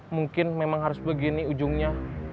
mungkin memang harus begini ujungnya